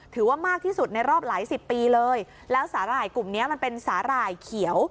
ถือว่ามากที่สุดในรอบหลายสิบปีเลยแล้วสาหร่ายกลุ่มเนี้ยมันเป็นสาหร่ายเขียว